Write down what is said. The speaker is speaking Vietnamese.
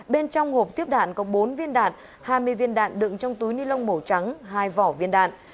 bên trong hộp tiếp đạn có bốn viên đạn hai mươi viên đạn đựng trong túi ni lông màu trắng hai vỏ viên đạn